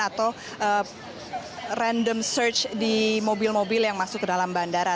atau random search di mobil mobil yang masuk ke dalam bandara